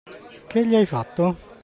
Che gli hai fatto?